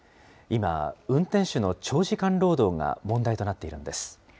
今、運転手の長時間労働が問題となっているんです。